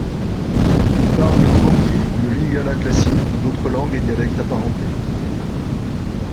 Ils parlent le bobangi, le lingala classique ou d’autres langues et dialectes apparentés.